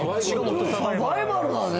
サバイバルだね！